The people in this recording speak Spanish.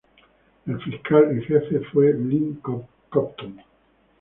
El fiscal en jefe fue Lynn Compton.